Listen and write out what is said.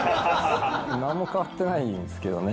なんも変わってないんですけどね。